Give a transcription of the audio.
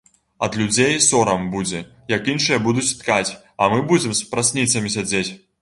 Ад людзей сорам будзе, як іншыя будуць ткаць, а мы будзем за прасніцамі сядзець.